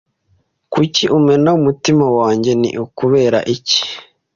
Kuki umena umutima wanjye ni ukubera iki